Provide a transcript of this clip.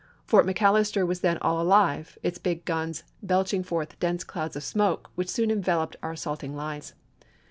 Fort McAllister was then all alive, its big guns belching forth dense clouds of smoke, which soon enveloped our assaulting lines.